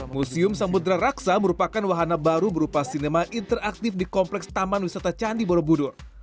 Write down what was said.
museum samudera raksa merupakan wahana baru berupa sinema interaktif di kompleks taman wisata candi borobudur